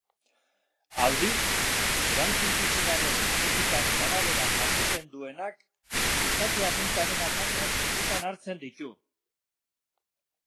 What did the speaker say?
Aldiz, erantzukizunaren etikaren arabera jarduten duenak gizaki arruntaren akatsak kontuan hartzen ditu.